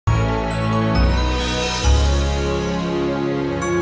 kesempatan heute buka kita akan lewat ciudad ini